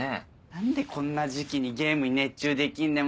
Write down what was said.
何でこんな時期にゲームに熱中できんだよ。